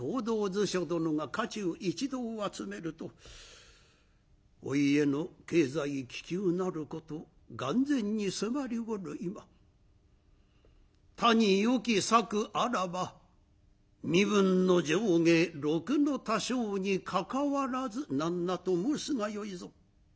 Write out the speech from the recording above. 図書殿が家中一同を集めると「お家の経済危急なること眼前にすがりおる今他によき策あらば身分の上下禄の多少にかかわらず何なと申すがよいぞ」。